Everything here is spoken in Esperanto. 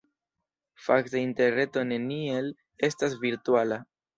Fakte Interreto neniel estas virtuala.